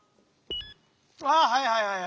ああはいはいはい。